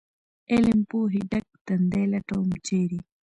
علم پوهې ډک تندي لټوم ، چېرې ؟